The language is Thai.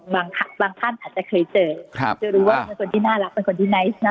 บางท่านอาจจะเคยเจอจะรู้ว่าเป็นคนที่น่ารักเป็นคนที่ไนท์เน